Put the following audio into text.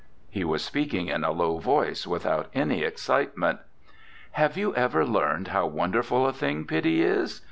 He was speaking in a low voice without any excitement. 'Have you ever learned how wonderful a thing pity is?